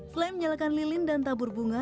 selain menyalakan lilin dan tabur bunga